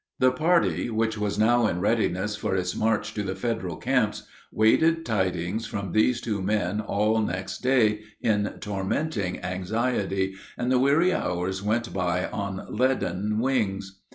The party, which was now in readiness for its march to the Federal camps, waited tidings from these two men all next day in tormenting anxiety, and the weary hours went by on leaden wings.